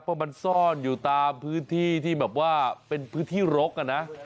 เพราะมันซ่อนอยู่ตามพื้นที่ที่แบบว่าเป็นพื้นที่รกอะนะ